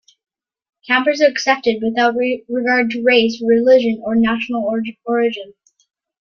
Campers are accepted without regard to race, religion, or national origin.